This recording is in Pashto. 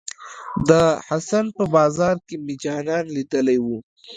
د حسن په بازار کې مې جانان ليدلی وه.